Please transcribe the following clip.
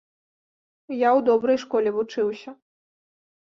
Я ў добрай школе вучыўся.